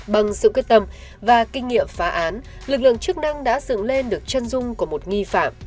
bằng sự quyết tâm và kinh nghiệm phá án lực lượng chức năng đã dựng lên được chân dung của một nghi phạm